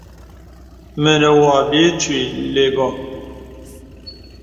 Mə nə wɔ bì ìtwì ləbô.